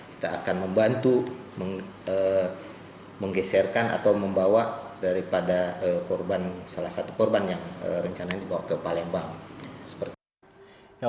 kita akan membantu menggeserkan atau membawa daripada salah satu korban yang rencananya dibawa ke palembang